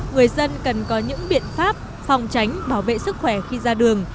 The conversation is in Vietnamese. người dân cần có những biện pháp phòng tránh bảo vệ sức khỏe khi ra đường